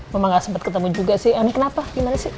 memang gak sempat ketemu juga sih omni kenapa gimana sih